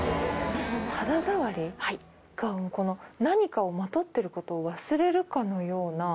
肌触りが何かをまとってることを忘れるかのような。